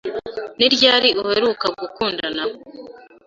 Ni ryari uheruka gukundana?